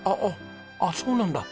ああそうなんだ。